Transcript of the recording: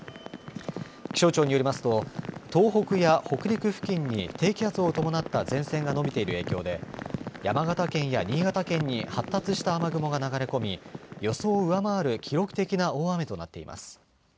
気象庁によりますと東北や北陸付近に低気圧を伴った前線が伸びている影響で山形県や新潟県に発達した雨雲が流れ込み予想を上回る記録的な大雨となっています。